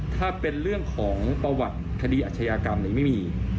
ถ้าเป็นเรื่องของประวัติคดีอาชญากรรมนี้ไม่มี